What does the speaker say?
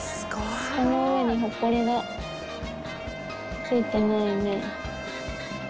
この上にほこりが付いてないね。